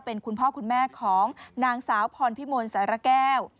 เป็นคุณพ่อคุณแม่ของนางสาวพรพิมลสารแก้ว